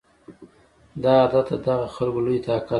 دا عادت د دغه خلکو لوی طاقت و